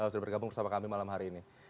sudah bergabung bersama kami malam hari ini